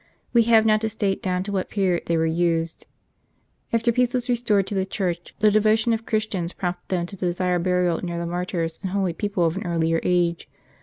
We have now to state down to what period they were used. After peace was restored to the Church, the devotion of Christians prompted them to desire burial near the martyrs, and holy people of an earlier age.